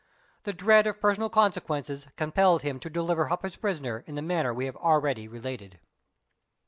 The dread of personal consequences compelled him to deliver up his prisoner in the manner we have already related.